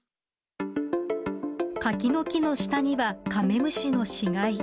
柿の木の下には、カメムシの死骸。